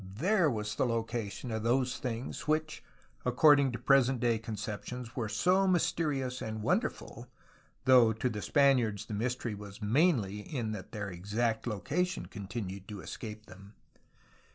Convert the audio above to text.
'^ There was the location of those things which according to present day conceptions were so mysterious and wonderful, though to the Spaniards the mystery was mainly in that their exact location continued to escape them.